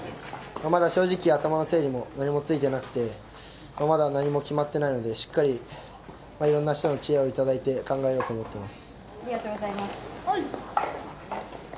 まだ正直、頭の整理も何もついてなくて、まだ何も決まっていないので、しっかりいろんな人の知恵を頂いて考えたいと思っています。